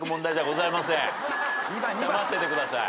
黙っててください。